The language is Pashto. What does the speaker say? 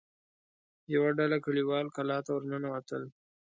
يوه ډله کليوال کلا ته ور ننوتل.